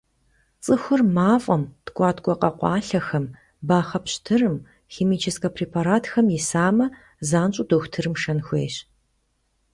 Цӏыхур мафӏэм, ткӏуаткӏуэ къэкъуалъэхэм, бахъэ пщтырым, химическэ препаратхэм исамэ, занщӏэу дохутырым шэн хуейщ.